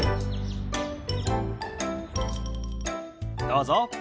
どうぞ。